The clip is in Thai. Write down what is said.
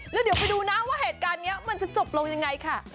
แล้วเดี๋ยวไปดูนะว่าเหตุการณ์นี้มันจะจบลงยังไงค่ะ